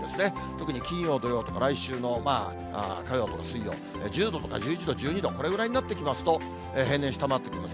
特に金曜、土曜とか、来週の火曜とか水曜、１０度とか１１度、１２度、これぐらいになってきますと、平年下回ってきます。